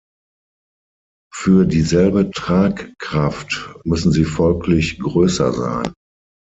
Für dieselbe Tragkraft müssen sie folglich größer sein.